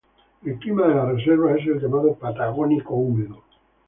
El clima de la reserva es el llamado Patagónico húmedo.